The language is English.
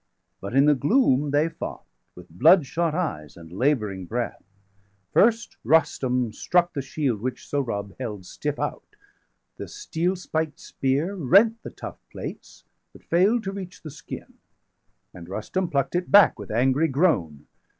°489 But in the gloom they fought, with bloodshot eyes 490 And labouring breath; first Rustum struck the shield Which Sohrab held stiff out; the steel spiked spear Rent the tough plates, but fail'd to reach the skin, And Rustum pluck'd it back with angry groan.